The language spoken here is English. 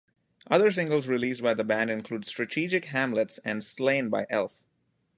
Other singles released by the band include "Strategic Hamlets" and "Slain By Elf".